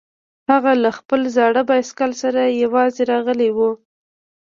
هغه له خپل زاړه بایسکل سره یوځای راغلی و